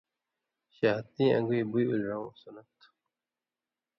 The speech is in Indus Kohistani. (شہادتیں ان٘گُوی) بُی اولیۡرؤں سُنّت تھُو۔